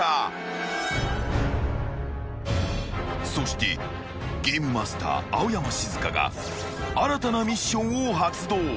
［そしてゲームマスター青山シズカが新たなミッションを発動］